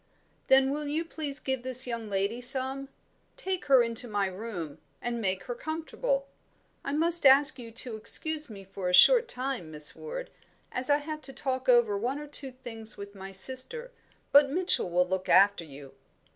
"Then will you please give this young lady some: take her into my room, and make her comfortable. I must ask you to excuse me for a short time, Miss Ward, as I have to talk over one or two things with my sister; but Mitchell will look after you."